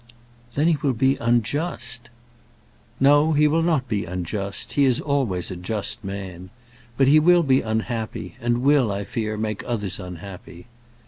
"Then he will be unjust." "No; he will not be unjust. He is always a just man. But he will be unhappy, and will, I fear, make others unhappy.